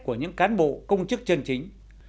của những cán bộ công chức chân chính